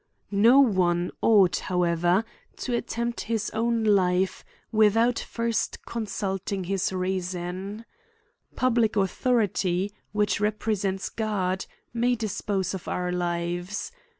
^' No one ought however, to attempt his own 230 A COlklMENTATlY ON life, without first consulting his reason. Public au thority, which represents God, may dispose of our lives.